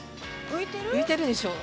浮いてるでしょう？